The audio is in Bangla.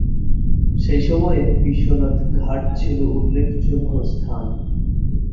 সেই সময়ে বিশ্বনাথ ঘাট ছিল উল্লেখযোগ্য স্থান।